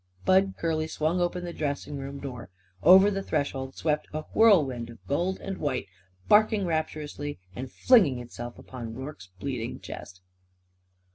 Bud Curly swung open the dressing room door. Over the threshold swept a whirlwind of gold and white, barking rapturously and flinging itself upon Rorke's bleeding chest.